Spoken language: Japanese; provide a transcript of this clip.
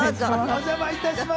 お邪魔致します。